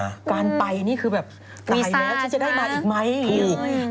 การไปนี่คือแบบตายแล้วฉันจะได้มาอีกไหม